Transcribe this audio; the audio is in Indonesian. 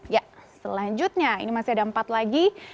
ya selanjutnya ini masih ada empat lagi